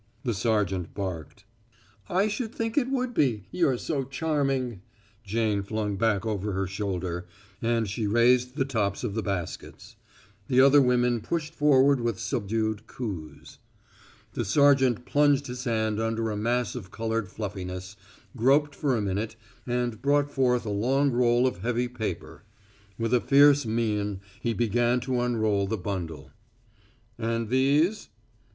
the sergeant barked. "I should think it would be you're so charming," Jane flung back over her shoulder, and she raised the tops of the baskets. The other women pushed forward with subdued coos. The sergeant plunged his hand under a mass of colored fluffiness, groped for a minute, and brought forth a long roll of heavy paper. With a fierce mien, he began to unroll the bundle. "And these?"